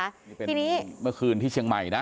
คือเป็นเมื่อคืนที่เชียงใหม่นะ